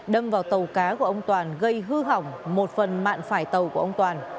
đâm vào tàu cá của ông toàn gây hư hỏng một phần mạng phải tàu của ông toàn